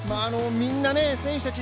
みんな、選手たち